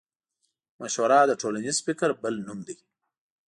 مشوره د ټولنيز فکر بل نوم دی.